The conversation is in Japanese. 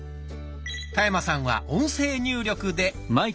田山さんは音声入力で。